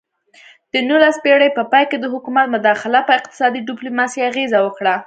د نولسمې پیړۍ په پای کې د حکومت مداخله په اقتصادي ډیپلوماسي اغیزه وکړه